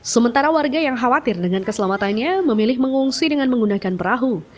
sementara warga yang khawatir dengan keselamatannya memilih mengungsi dengan menggunakan perahu